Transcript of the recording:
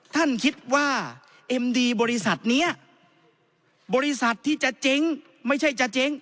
ท่านคิดว่าเอ็มดีบริษัทนี้บริษัทที่จะเจ๊งไม่ใช่จะเจ๊ง